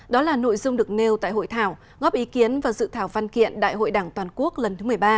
đó là nội dung được nêu tại hội thảo góp ý kiến và dự thảo văn kiện đại hội đảng toàn quốc lần thứ một mươi ba